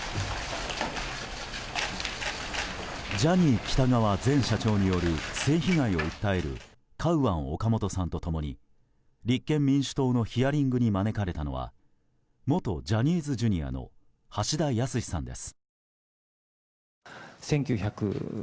ジャニー喜多川前社長による性被害を訴えるカウアン・オカモトさんと共に立憲民主党のヒアリングに招かれたのは元ジャニーズＪｒ．の橋田康さんです。